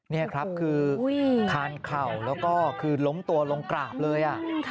นี่ครับคือคานเข่าแล้วก็คือล้มตัวลงกราบเลย